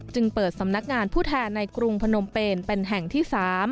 จึงเปิดสำนักงานผู้แทนในกรุงพนมเป็นแห่งที่๓